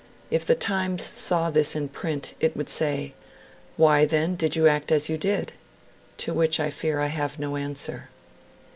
'If The Times saw this in print, it would say, "Why, then, did you act as you did?" to which I fear I have no answer.'